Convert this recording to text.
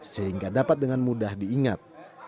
sehingga dapat dengan mudah diingat